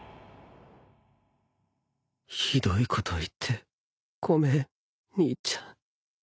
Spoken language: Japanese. ひどいこと言ってごめん兄ちゃん